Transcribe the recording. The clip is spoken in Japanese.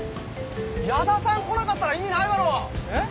矢田さん来なかったら意味ないだろ！え？